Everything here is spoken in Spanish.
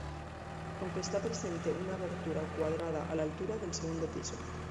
Aunque está presente una abertura cuadrada a la altura del segundo piso.